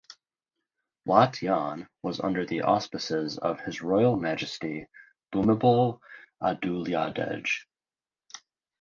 Wat Yan was under the auspices of His Royal Majesty Bhumibol Adulyadej.